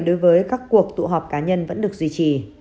đối với các cuộc tụ họp cá nhân vẫn được duy trì